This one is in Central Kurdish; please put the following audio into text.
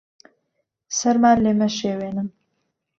سەرمان لێ مەشێوێنن.